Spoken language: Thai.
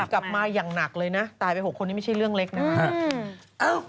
กลับมาอย่างหนักเลยนะตายไป๖คนนี้ไม่ใช่เรื่องเล็กนะฮะ